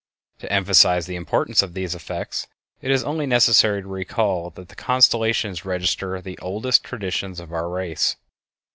To emphasize the importance of these effects it is only necessary to recall that the constellations register the oldest traditions of our race.